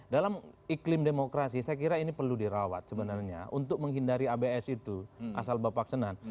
dalam iklim demokrasi saya kira ini perlu dirawat sebenarnya untuk menghindari abs itu asal bapak senang